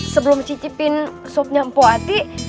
sebelum cicipin sop nyampo hati